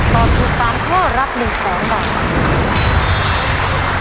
ตอบถูก๓ข้อรับ๑๐๐๐บาท